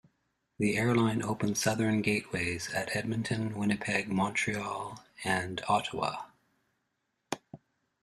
The airline opened southern gateways at Edmonton, Winnipeg, Montreal and Ottawa.